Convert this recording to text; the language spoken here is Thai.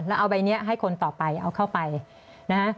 แล้วเอาใบนี้ให้คนต่อไปเอาเข้าไปนะฮะ